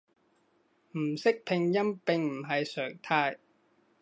唔識拼音並唔係常態